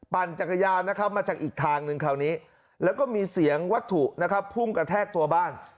ปั่นจักรยานนะครับมาจากอีกทางหนึ่งคราวนี้แล้วก็มีเสียงวัตถุนะครับพุ่งกระแทกตัวบ้าน